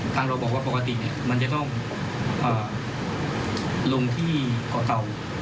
ทางเราบอกว่าปกติเนี่ยมันจะต้องลงที่ก่อเตา